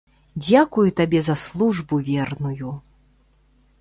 Дзякую табе за службу верную!